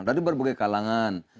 tadi berbagai kalangan